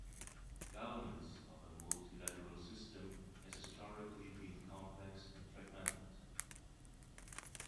Governance of the multilateral system has historically been complex and fragmented.